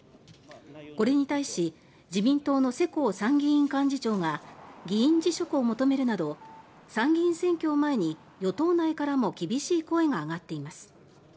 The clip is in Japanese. これに対し自民党の世耕参議院幹事長が議員辞職を求めるなど参議院選挙を前に与党内からも厳しい声が上がっています。